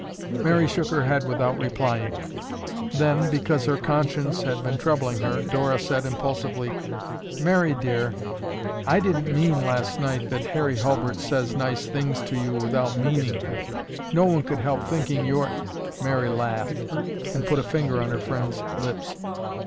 Mary shook her head without replying. Then, because her conscience had been troubling her, Dora said impulsively, "Mary, dear, I didn't mean, last night, that Harry Hulbert says nice things to you without meaning them. No one could help thinking you're—" Mary laughed and put a finger on her friend's lips.